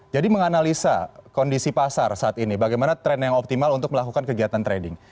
jadi menganalisa kondisi pasar saat ini bagaimana trend yang optimal untuk melakukan kegiatan trading